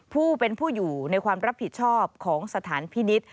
ผู้เป็นผู้อยู่ในความรับผิดชอบของสถานพินิษฐ์